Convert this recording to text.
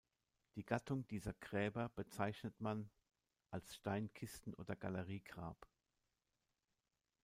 Die Gattung dieser Gräber bezeichnet man als Steinkisten oder Galeriegrab.